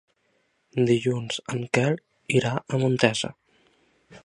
Dilluns en Quel irà a Montesa.